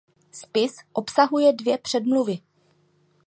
Spis obsahuje dvě předmluvy.